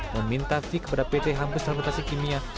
meminta fik kepada pt hampus rangkotas kimia